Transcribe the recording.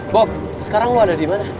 bob sekarang lu ada dimana